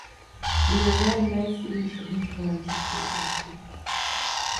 Lionel Messi ni shabiki wa Manchester United